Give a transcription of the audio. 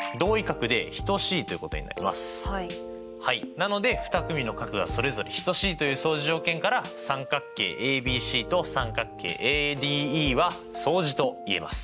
なので２組の角がそれぞれ等しいという相似条件から三角形ＡＢＣと三角形ＡＤＥは相似と言えます。